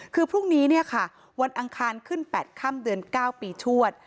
คือพรุ่งนี้เนี่ยค่ะวันอังคารขึ้น๘ข้ามเดือน๙ปีชวด